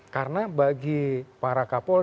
karena bagi para kapolri